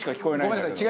ごめんなさい。